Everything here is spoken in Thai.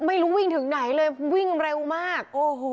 ไม่รู้วิ่งถึงไหนเลยวิ่งเร็วมากโอ้โห